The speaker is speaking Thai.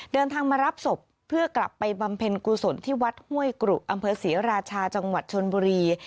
เดินทางมารับศพเพื่อกลับไปบำเพ็ญกุศลที่วัดห้วยกรุอำเภอศรีราชาจังหวัดชนบุรี